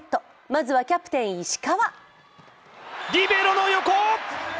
まずはキャプテン・石川。